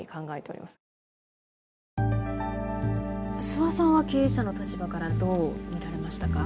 諏訪さんは経営者の立場からどう見られましたか？